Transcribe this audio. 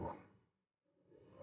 saya gak peduli